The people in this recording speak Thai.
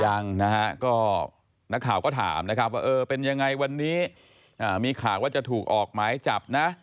ยังนะฮะก็นักข่าวก็ถามนะครับว่าเออเป็นยังไงวันนี้มีข่าวว่าจะถูกออกหมายจับนะ